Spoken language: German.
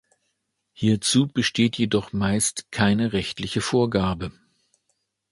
Hierzu besteht jedoch meist keine rechtliche Vorgabe.